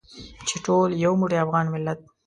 چې ټول یو موټی افغان ملت.